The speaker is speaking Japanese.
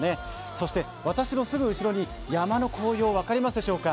そして私のすぐ後ろに山の紅葉、分かりますでしょうか。